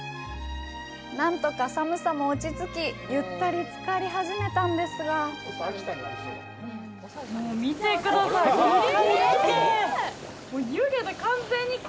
なんとか寒さも落ち着き、ゆったりつかり始めたんですがもう見てください、この髪の毛！